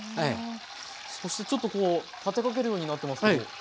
そしてちょっとこう立てかけるようになってますけど。